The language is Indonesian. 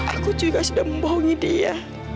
aku juga sudah membohongi dia